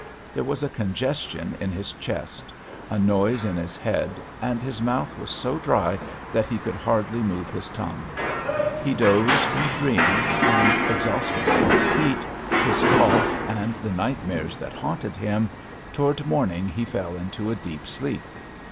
There was a congestion in his chest; a noise in his head, and his mouth was so dry that he could hardly move his tongue. He dozed and dreamed, and, exhausted by the heat, his cough and the nightmares that haunted him, toward morning he fell into a deep sleep.